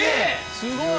すごい。